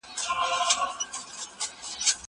زه سپينکۍ نه پرېولم!